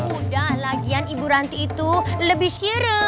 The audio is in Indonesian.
mudah lagian ibu ranti itu lebih sire